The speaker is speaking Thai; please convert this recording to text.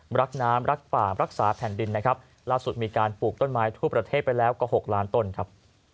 รักน้ำรักป่ารักษาแผ่นดินนะครับล่าสุดมีการปลูกต้นไม้ทั่วประเทศไปแล้วกว่า๖ล้านต้นครับ